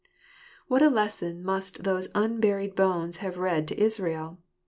What a lesson must those unburied bones have read to Israel